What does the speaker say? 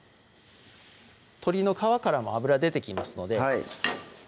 鶏の皮からも脂出てきますのではい